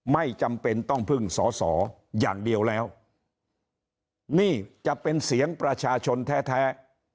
ไม่จำเป็นต้องพึ่งสอสออย่างเดียวแล้วนี่จะเป็นเสียงประชาชนแท้